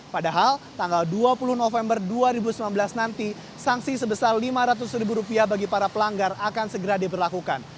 padahal tanggal dua puluh november dua ribu sembilan belas nanti sanksi sebesar lima ratus ribu rupiah bagi para pelanggar akan segera diberlakukan